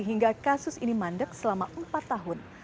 hingga kasus ini mandek selama empat tahun